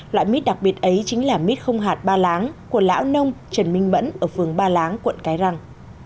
loại mít đặc biệt ấy chính là mít không hạt ba láng của lão nông trần minh mẫn ở phường ba láng quận cái răng